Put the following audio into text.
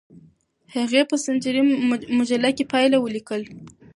هغې په سنچري مجله کې پایله ولیکله.